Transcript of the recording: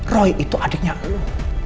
roy itu adiknya lu